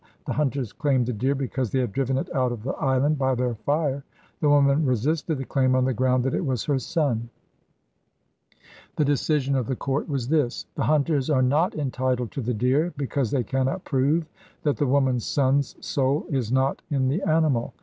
The hunters claimed the deer because they had driven it out of the island by their fire. The woman resisted the claim on the ground that it was her son. The decision of the court was this: 'The hunters are not entitled to the deer because they cannot prove that the woman's son's soul is not in the animal.